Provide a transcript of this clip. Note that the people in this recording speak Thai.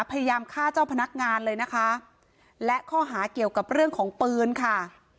พยายามฆ่าเจ้าพนักงานเลยนะคะและข้อหาเกี่ยวกับเรื่องของปืนค่ะ